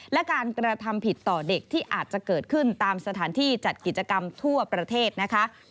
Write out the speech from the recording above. และการกระทำผิดต่อเด็กที่อาจจะเกิดขึ้นตามสถานที่จัดกิจกรรมทั่วประเทศนะคะ